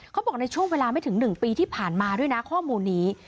เขาบอกในช่วงเวลาไม่ถึง๑ปีที่ผ่านมาด้วยนะข้อมูลนี้